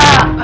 halo ada apa